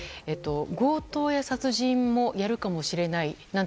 強盗や殺人もやるかもしれないなんて